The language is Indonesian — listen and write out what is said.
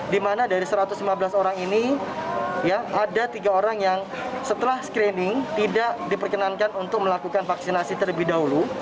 di mana dari satu ratus lima belas orang ini ada tiga orang yang setelah screening tidak diperkenankan untuk melakukan vaksinasi terlebih dahulu